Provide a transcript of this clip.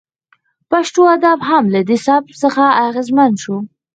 پښتو ادب هم له دې سبک څخه اغیزمن شو